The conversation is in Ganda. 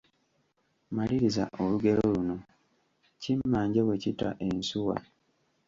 Maliriza olugero luno: Kimmanje bwe kita ensuwa, …..